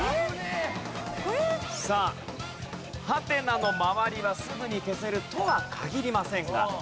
さあハテナの周りはすぐに消せるとは限りませんが。